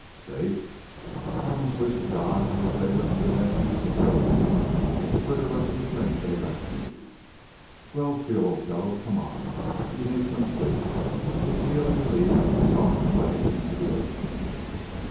"Safe? I I almost wish to God I was there under that heap of ruins, where the rustlers think they've left me." "Well, Steele, old fellow, come on. We need some sleep." With Steele in the lead, we stalked away into the open.